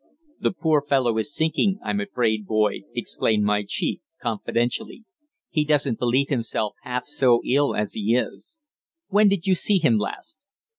"The poor fellow is sinking, I'm afraid, Boyd," exclaimed my chief, confidentially. "He doesn't believe himself half so ill as he is. When did you see him last?"